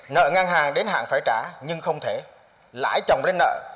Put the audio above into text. nợ ngang hàng đến hạng phải trả nhưng không thể lãi chồng lên nợ